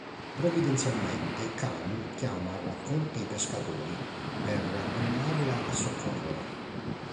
Provvidenzialmente Kanu chiama a raccolta i pescatori per andarla a soccorrere.